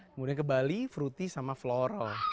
kemudian ke bali fruity sama flora